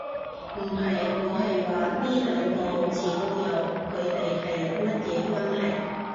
唔係。我係話呢兩個好像都有，佢地係乜嘢關係